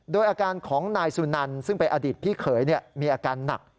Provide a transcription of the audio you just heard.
โดยอาการของนายสุนันซึ่งเป็นอดีตพี่เขยมีอาการหนัก